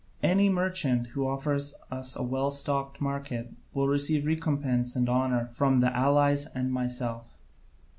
Any merchant who offers us a well stocked market will receive recompense and honour from the allies and myself.